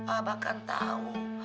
abah kan tau